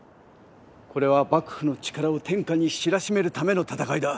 これは幕府の力を天下に知らしめるための戦いだ。